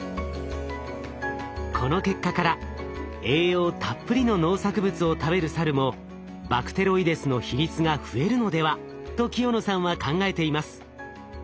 この結果から栄養たっぷりの農作物を食べるサルもバクテロイデスの比率が増えるのではと清野さんは考えています。